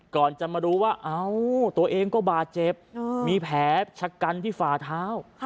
ก่อนจะมารู้ว่าเอ้าตัวเองก็บาดเจ็บมีแผลชะกันที่ฝ่าเท้า